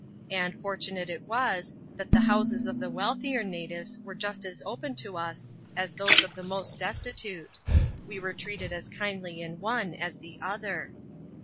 And fortunate it was, that the houses of the wealthier natives were just as open to us as those of the most destitute : we were treated as kindly in one SIS the other.